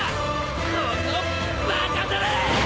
このバカたれ！